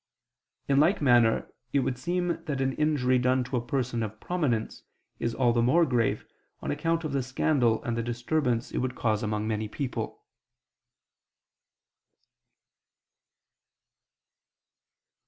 In like manner it would seem that an injury done to a person of prominence, is all the more grave, on account of the scandal and the disturbance it would cause among many people.